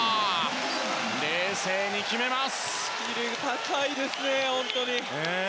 冷静に決めます。